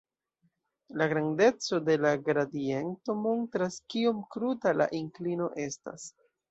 La grandeco de la gradiento montras kiom kruta la inklino estas.